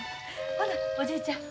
ほなおじいちゃん